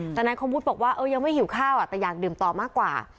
แต่นายคมวุฒิบอกว่ายังไม่หิวข้าวแต่อยากดื่มต่อมากกว่า